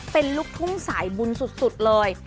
เป็นลูกทุ่งสายบุญสุดเลย